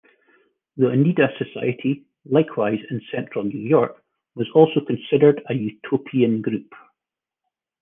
The Oneida Society, likewise in central New York, was also considered a utopian group.